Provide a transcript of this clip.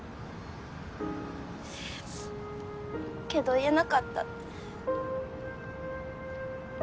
けど言えなかった。